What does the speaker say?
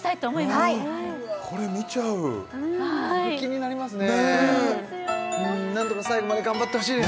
あこれ見ちゃうこれ気になりますね